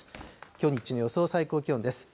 きょう日中の予想最高気温です。